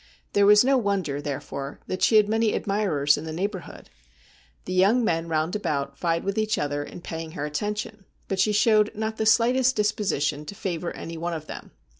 There was no wonder, therefore, that she had many admirers in the neighbourhood. The young men round about vied with each other in paying her attention, but she showed not the slightest disposition to favour anyone of them.